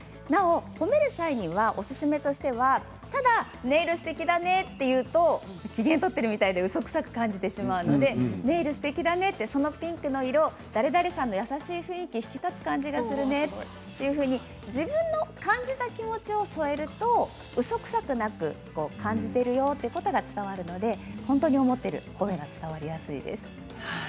褒める際、おすすめなのがネイルすてきだね！と言うと機嫌取っているみたいでうそくさく感じてしまうのでネイルすてきだねそのピンクの色○○さんの優しい雰囲気が引き立つ感じがするねと自分の感じた気持ちを添えるとうそくさくなく感じているよということが伝わるので本当に思っている思いが伝わりやすいです。